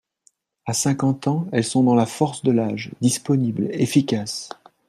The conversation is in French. À cinquante ans, elles sont dans la force de l’âge, disponibles, efficaces.